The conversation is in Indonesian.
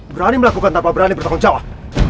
berani melagburkan tanpa berani untuk menjarah